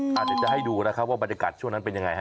เดี๋ยวจะให้ดูนะครับว่าบรรยากาศช่วงนั้นเป็นยังไงฮะ